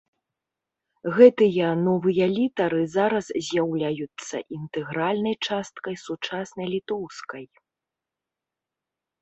Гэтыя новыя літары зараз з'яўляюцца інтэгральнай часткай сучаснай літоўскай.